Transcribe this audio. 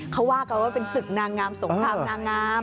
เขาว่ากันว่าเป็นศึกนางงามสงครามนางงาม